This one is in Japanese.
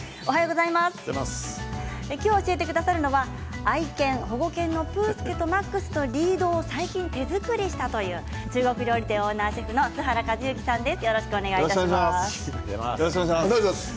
今日教えてくださるのは愛犬、保護犬のぷーすけとマックスのリードを最近手作りしたという中国料理店オーナーシェフの栖原一之さんです。